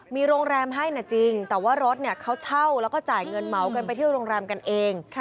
มีโรงแรมให้นะจริงแต่ว่ารถเขาเช่าแล้วก็จ่ายเงินเหมากันไปเที่ยวโรงแรมกันเอง